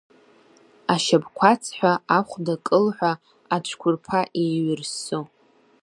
Ашьапқәа аҵҳәа, ахәда кылҳәа, ацәқәырԥа еиҩырссо.